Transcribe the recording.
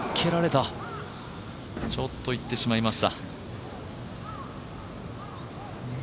ちょっといってしまいました。